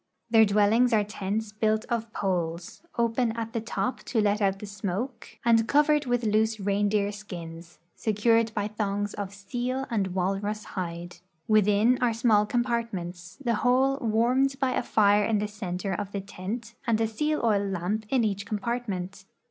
Tlieir dwellings are tents l)uilt of poles, open at the to]> to let out the smoke, and covered RUSSIA IN EUROPE 15 with loose reindeer skins, secured by thongs of seal and walrus hide; within are small compartments, the whole warmed by a fire in the center of the tent and a seal oil lamp in each com partment.